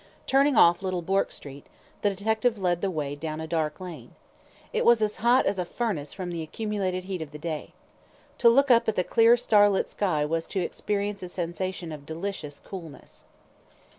Turning off Little Bourke Street, the detective led the way down a dark lane. It was as hot as a furnace from the accumulated heat of the day. To look up at the clear starlit sky was to experience a sensation of delicious coolness.